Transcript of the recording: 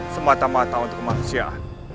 semata mata untuk kemaksiaan